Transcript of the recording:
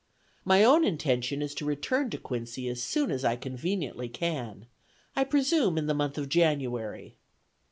My own intention is to return to Quincy as soon as I conveniently can; I presume in the month of January."